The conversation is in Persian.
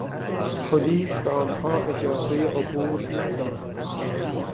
پلیس به آنها اجازهی عبور نداد.